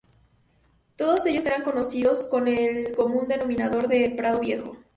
Todos ellos eran conocidos con el común denominador de Prado Viejo.